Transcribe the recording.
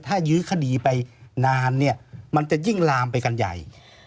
ถ้ายื้อคดีไปนานเนี่ยมันจะยิ่งลามไปกันใหญ่